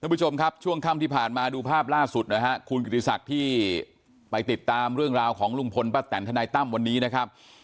ผู้ชมครับช่วงค่ำที่ผ่านมาดูภาพล่าสุดนะฮะคุณกิติศักดิ์ที่ไปติดตามเรื่องราวของลุงพลป้าแตนทนายตั้มวันนี้นะครับ